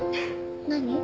何？